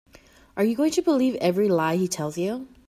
Are you going to believe every lie he tells you?